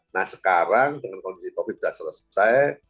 nah sekarang dengan kondisi covid sembilan belas selesai